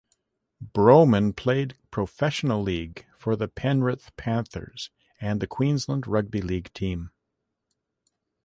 Brohman played professional league for the Penrith Panthers and the Queensland rugby league team.